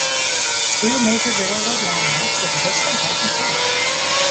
Two major railroad landmarks exist in Brighton Park.